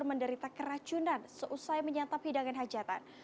menderita keracunan seusai menyantap hidangan hajatan